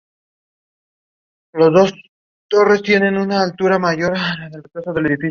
Su primer cargo conocido fue el de Legado de la provincia Licia y Panfilia.